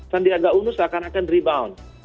sandiaga uno seakan akan rebound